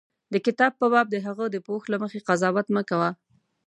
د کتاب په باب د هغه د پوښ له مخې قضاوت مه کوه.